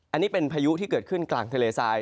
อันนี้เป็นพายุที่เกิดขึ้นกลางทะเลทราย